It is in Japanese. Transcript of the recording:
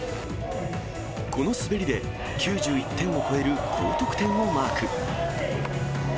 この滑りで、９１点を超える高得点をマーク。